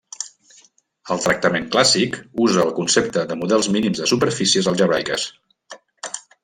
El tractament clàssic usa el concepte de models mínims de superfícies algebraiques.